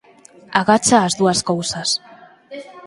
Agacha as dúas cousas.